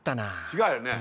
違うよね？